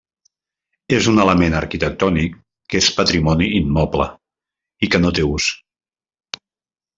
És un element arquitectònic que és patrimoni immoble i que no té ús.